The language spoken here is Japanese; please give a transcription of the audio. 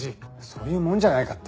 「そういうもんじゃないか」って。